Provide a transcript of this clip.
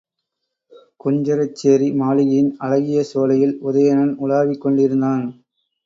குஞ்சரச்சேரி மாளிகையின் அழகிய சோலையில் உதயணன் உலாவிக் கொண்டிருந்தான்.